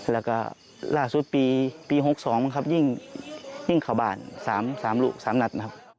แล้วก็ล่าสุดปี๖๒มันยิ่งขวาบ้าน๓ลูก๓นัด